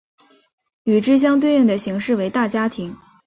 与之相对应的形式为大家庭。